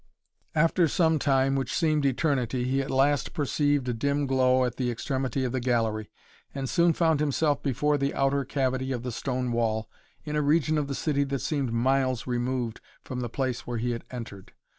After some time which seemed eternity he at last perceived a dim glow at the extremity of the gallery, and soon found himself before the outer cavity of the stone wall, in a region of the city that seemed miles removed from the place where he had entered.